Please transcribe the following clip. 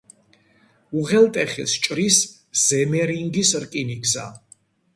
უღელტეხილს ჭრის ზემერინგის რკინიგზა.